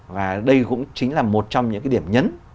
và đây cũng chính là một trong những cái điểm nhấn